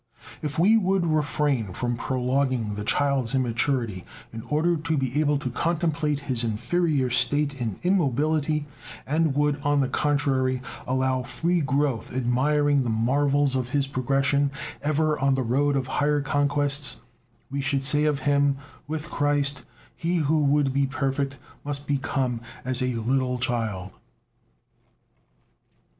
If we would refrain from prolonging the child's immaturity in order to be able to contemplate his inferior state in immobility, and would, on the contrary, allow free growth admiring the marvels of his progression ever on the road of higher conquests, we should say of him, with Christ: "He who would be perfect must become as a little child."